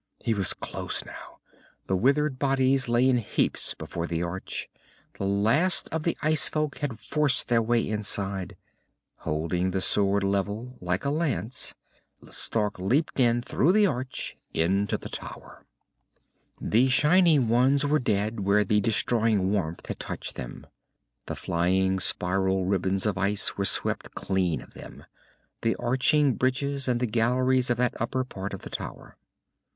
He was close now. The withered bodies lay in heaps before the arch. The last of the ice folk had forced their way inside. Holding the sword level like a lance, Stark leaped in through the arch, into the tower. The shining ones were dead where the destroying warmth had touched them. The flying spiral ribbons of ice were swept clean of them, the arching bridges and the galleries of that upper part of the tower.